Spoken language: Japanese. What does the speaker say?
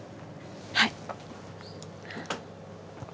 はい。